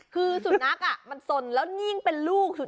คือสุนัขมันสนแล้วนิ่งเป็นลูกสุด